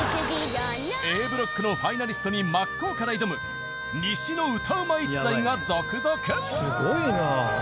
Ａブロックのファイナリストに真っ向から挑む西の歌うま逸材が続々！